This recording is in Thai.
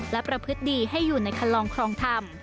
และประพฤติดีให้อยู่ในคันลองครองธรรม